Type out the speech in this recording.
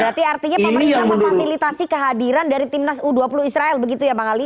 berarti artinya pemerintah memfasilitasi kehadiran dari timnas u dua puluh israel begitu ya bang ali